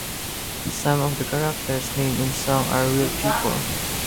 Some of the characters named in the song are real people.